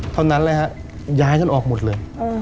เท่านั้นเลยใช่ไหมห๊ะย้ายกันออกหมดเลย